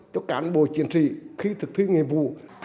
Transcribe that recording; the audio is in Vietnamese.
cho cán bộ chiến sĩ khi thực thi nhiệm vụ